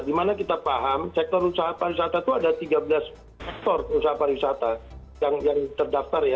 dimana kita paham sektor usaha pariwisata itu ada tiga belas sektor usaha pariwisata yang terdaftar ya